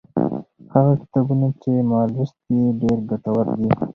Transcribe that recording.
هغه کتابونه چې ما لوستي، ډېر ګټور دي.